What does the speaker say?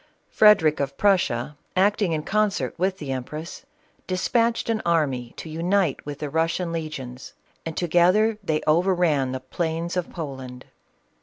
Frederic of Prussia, acting in concert with the empress, despatched an army to unite with the Russian legions, and together they over ran the plains of Poland.